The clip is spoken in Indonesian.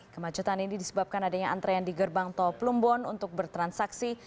kemacetan ini disebabkan adanya antrean di gerbang tol plumbon untuk bertransaksi